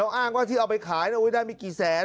เราอ้างว่าที่เอาไปขายเอาไว้ได้มีกี่แสน